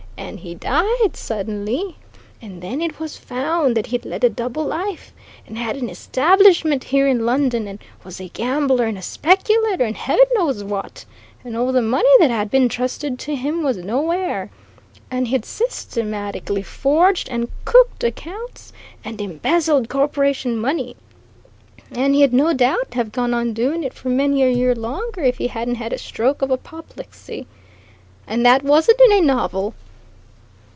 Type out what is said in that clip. And he died, suddenly, and then it was found that he'd led a double life, and had an establishment here in London, and was a gambler and a speculator, and Heaven knows what, and all the money that had been intrusted to him was nowhere, and he'd systematically forged, and cooked accounts, and embezzled corporation money and he'd no doubt have gone on doing it for many a year longer if he hadn't had a stroke of apoplexy. And that wasn't in a novel!"